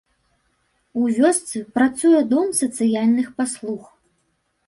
У вёсцы працуе дом сацыяльных паслуг.